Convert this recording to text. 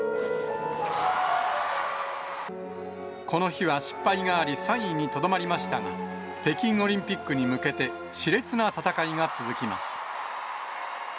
この日は失敗があり、３位にとどまりましたが、北京オリンピックに向けて、しれつな戦いが続きます。